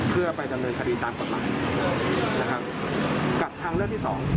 เพื่อไปดำเนินคดีตามกฎหมายนะครับกับทางเลือกที่สอง